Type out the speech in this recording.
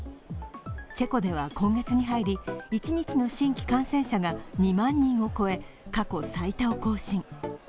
チェコでは今月に入り、一日の新規感染者が２万人を超え、過去最多を更新。